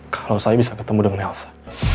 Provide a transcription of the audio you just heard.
kalau saya bisa ketemu dengan elsa